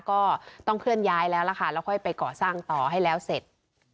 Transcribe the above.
ก็ต้องเคลื่อนย้ายแล้วล่ะค่ะแล้วค่อยไปก่อสร้างต่อให้แล้วเสร็จ